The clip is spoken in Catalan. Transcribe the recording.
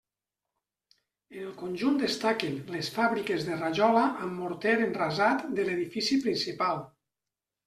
En el conjunt destaquen les fàbriques de rajola amb morter enrasat de l'edifici principal.